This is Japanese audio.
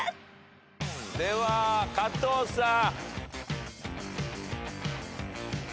では加藤さん。